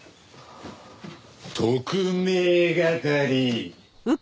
特命係。